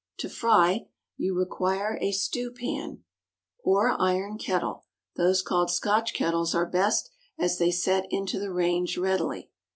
To fry, you require a stewpan or iron kettle; those called Scotch kettles are best, as they set into the range readily.